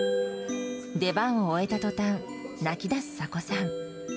出番を終えたとたん、泣きだす峪さん。